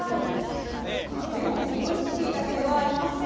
このレモンおいしいだけではありません。